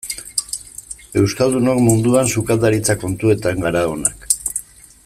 Euskaldunok munduan sukaldaritza kontuetan gara onak.